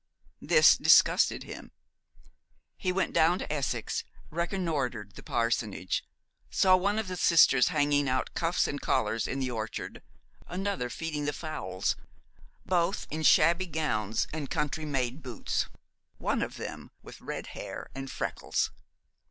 This disgusted him. He went down to Essex, reconnoitered the parsonage, saw one of the sisters hanging out cuffs and collars in the orchard another feeding the fowls both in shabby gowns and country made boots; one of them with red hair and freckles.